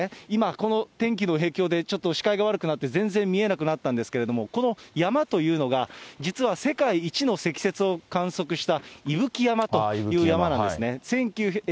今、この天気の影響でちょっと視界が悪くなって全然見えなくなったんですけれども、この山というのが、実は世界一の積雪を観測したいぶき山という山なんですね。